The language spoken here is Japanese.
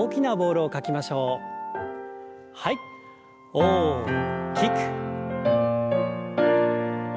大きく。